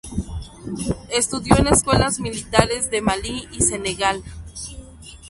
Estudió en escuelas militares de Malí y Senegal.